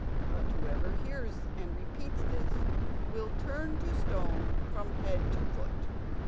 But whoever hears and repeats this will turn to stone from head to foot."